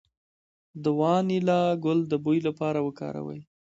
د وانیلا ګل د بوی لپاره وکاروئ